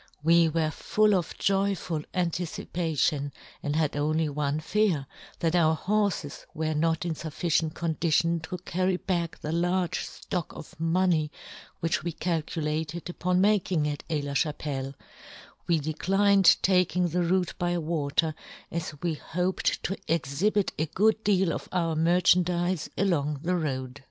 We were full of joyful anticipation and had " only one fear, that our horfes were " not in'fufRcient condition to carry " back the large ftock of money " which we calculated upon making " at Aix la Chapelle ; we declined " taking the route by water as we " hoped to exhibit a good deal of " our merchandize along the road.